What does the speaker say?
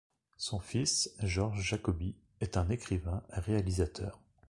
Son fils, Georg Jacoby, est un écrivain et réalisateur.